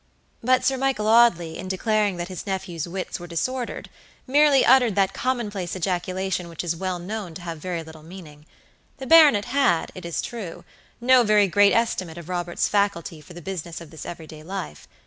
But Sir Michael Audley in declaring that his nephew's wits were disordered, merely uttered that commonplace ejaculation which is well known to have very little meaning. The baronet had, it is true, no very great estimate of Robert's faculty for the business of this everyday life.